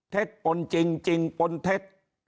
เท็จปนจริงจริงปนเท็จ